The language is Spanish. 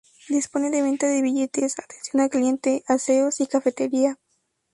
Dispone de venta de billetes, atención al cliente, aseos y cafetería.